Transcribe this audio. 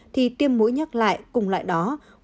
thì tiêm mũi nhắc lại cùng loại đó